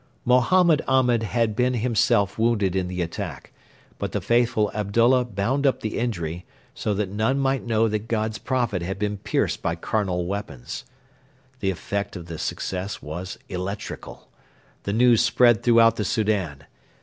Mohammed Ahmed had been himself wounded in the attack, but the faithful Abdullah bound up the injury, so that none might know that God's Prophet had been pierced by carnal weapons. The effect of the success was electrical. The news spread throughout the Soudan.